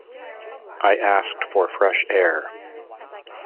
I asked for fresh air.